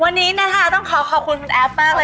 วันนี้นะคะต้องขอขอบคุณคุณแอฟมากเลย